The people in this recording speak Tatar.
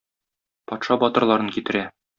Патша батырларын китерә.